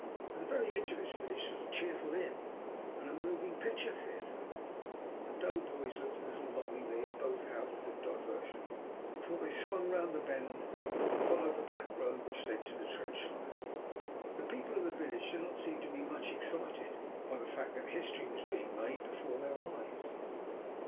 At the very edge of this village stood a cheerful inn and a moving picture theatre. The doughboys looked a little longingly at both houses of diversion before they swung round the bend and followed the black road which led to the trench line. The people of the village did not seem to be much excited by the fact that history was being made before their eyes.